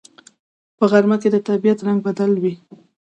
په غرمه کې د طبیعت رنگ بدل وي